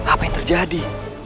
apa yang terjadi